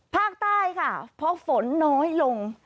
ภาคใต้ค่ะพอฝนน้อยลง